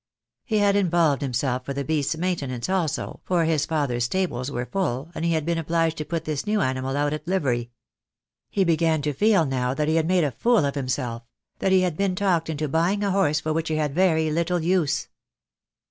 He had involved himself for the beast's maintenance also, for his father's stables were full, and he had been obliged to put this new animal out at livery. He began to feel now that he had made a fool of himself; that he had been talked into buying a horse for which he had very little use.